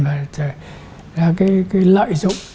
và cái lợi dụng